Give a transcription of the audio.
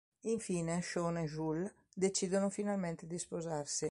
Infine, Shawn e Jules decidono finalmente di sposarsi.